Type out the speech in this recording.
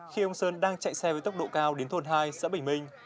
khi ông sơn đang chạy xe với tốc độ cao đến thôn hai xã bình minh